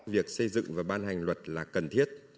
việc xây dựng và ban hành luật là cần thiết